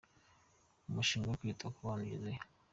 Umushinga wo kwita kubana ugeze he